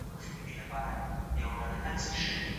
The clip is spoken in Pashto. ګاونډیان به ګډي ناستي جوړوي.